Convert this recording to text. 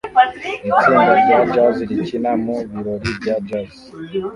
Itsinda rya jazz rikina mu birori bya jazz